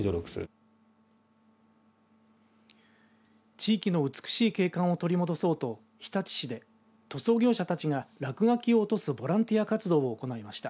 地域の美しい景観を取り戻そうと日立市で塗装業者たちが落書きを落とすボランティア活動を行いました。